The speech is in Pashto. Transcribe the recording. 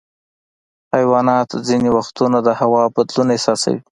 حیوانات ځینې وختونه د هوا بدلون احساسوي.